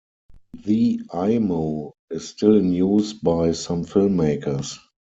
The Eyemo is still in use by some filmmakers.